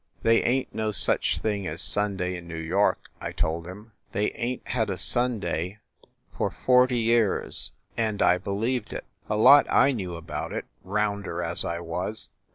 "They ain t no such thing as Sunday in New York!" I told him. "They ain t had a Sunday for THE LIARS CLUB 63 forty years !" And I believed it. A lot I knew about it, rounder as I was.